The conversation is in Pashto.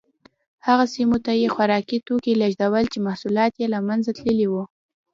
هغه سیمو ته یې خوراکي توکي لېږدول چې محصولات یې له منځه تللي وو